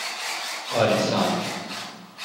آریسان